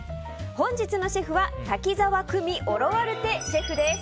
本日のシェフは滝沢久美オロアルテシェフです。